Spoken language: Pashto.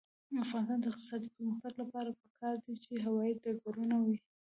د افغانستان د اقتصادي پرمختګ لپاره پکار ده چې هوايي ډګرونه وي.